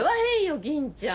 銀ちゃん。